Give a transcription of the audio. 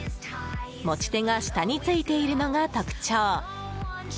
持ち手が下についているのが特徴。